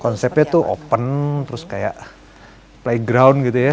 konsepnya tuh open terus kayak playground gitu ya